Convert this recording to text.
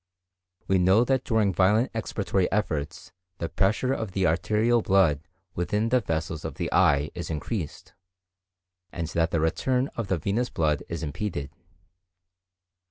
We know that during violent expiratory efforts the pressure of the arterial blood within the vessels of the eye is increased, and that the return of the venous blood is impeded.